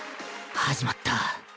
始まった